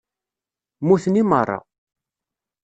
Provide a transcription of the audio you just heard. Muten i meṛṛa.